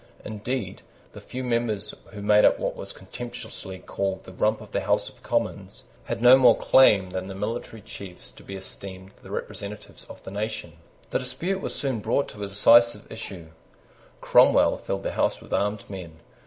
Indeed the few members who made up what was contemptuously called the Rump of the House of Commons had no more claim than the military chiefs to be esteemed the representatives of the nation. The dispute was soon brought to a decisive issue. Cromwell filled the House with armed men.